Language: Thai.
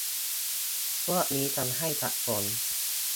พวกนี้ทำให้สับสน